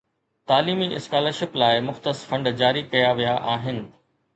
تعليمي scholarship لاءِ مختص فنڊ جاري ڪيا ويا آهن